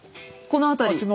この辺り。